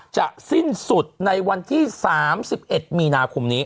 สิ้นสุดในวันที่๓๑มีนาคมนี้